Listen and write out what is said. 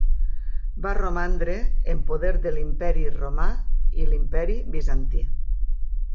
Va romandre en poder de l'Imperi romà i l'Imperi bizantí.